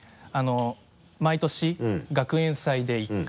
毎年学園祭で１回。